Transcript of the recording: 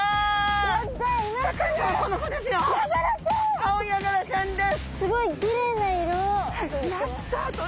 アオヤガラちゃんです。